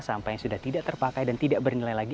sampah yang sudah tidak terpakai dan tidak bernilai lagi